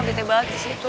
bete banget di situ